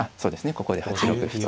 ここで８六歩と。